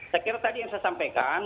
saya kira tadi yang saya sampaikan